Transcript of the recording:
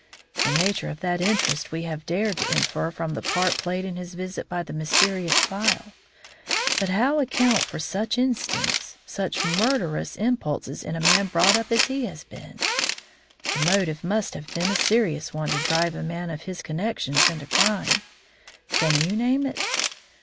The nature of that interest we have dared to infer from the part played in his visit by the mysterious phial. But how account for such instincts, such murderous impulses in a man brought up as he has been? The motive must have been a serious one to drive a man of his connections into crime. Can you name it?